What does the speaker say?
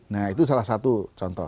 nah itu salah satu contoh